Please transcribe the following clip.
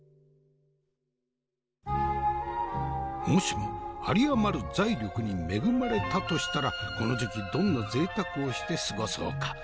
もしも有り余る財力に恵まれたとしたらこの時期どんなぜいたくをして過ごそうか？